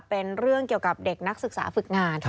เป็นเรื่องเกี่ยวกับเด็กนักศึกษาฝึกงาน